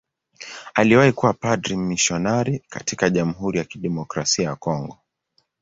Aliwahi kuwa padri mmisionari katika Jamhuri ya Kidemokrasia ya Kongo.